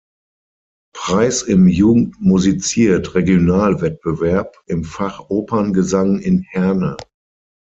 Preis im „Jugend Musiziert“-Regionalwettbewerb im Fach Operngesang in Herne.